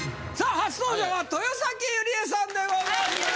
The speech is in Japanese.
初登場は豊崎由里絵さんでございます。